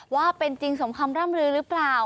ว่าเป็นจริงสมคำร่ำลือหรือเปล่า